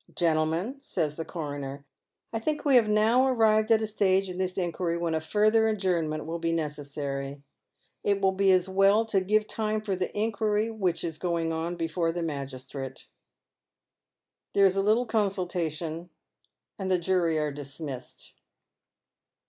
" Gentlemen," says the coroner, "I think we have now arrived at a stage in this inquiry when a further adjournment will be necessary. It will be as well to give time for the inquiry which is going on before the magistrate." There is a little consultation, and the jury are dismissed.